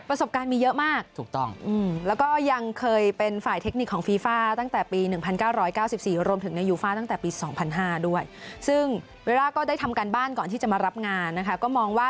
ประสบการณ์มีเยอะมาก